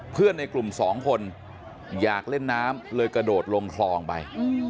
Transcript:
ในกลุ่มสองคนอยากเล่นน้ำเลยกระโดดลงคลองไป